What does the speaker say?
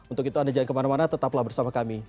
untuk itu anda jangan kemana mana tetaplah bersama kami